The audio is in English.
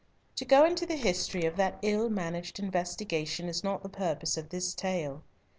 To go into the history of that ill managed investigation is not the purpose of this tale.